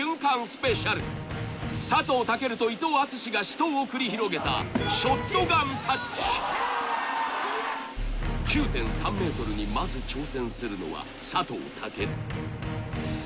スペシャル佐藤健と伊藤淳史が死闘を繰り広げたショットガンタッチ９．３ｍにまず挑戦するのは佐藤健